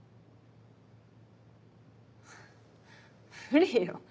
無理よ